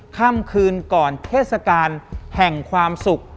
ค่ำคืนก่อนเทศกาลแห่งความสุข